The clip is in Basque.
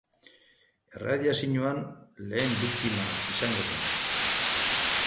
Erradiazioaren lehen biktima izango zen.